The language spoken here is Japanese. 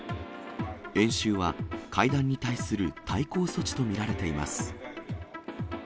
演習は、会談に対する対抗措置と見られています。